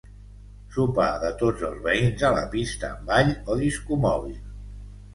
Sopar de tots els veïns a la pista amb ball o disco mòbil.